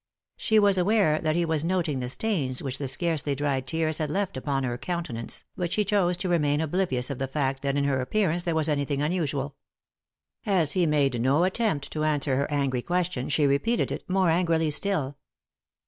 She was aware that he was noting the stains which the scarcely dried tears had left upon her countenance, but she chose to remain oblivious of the fact that in her appearance there was any thing unusual As he made no attempt to answer her angry question, she repeated it, more angrily still.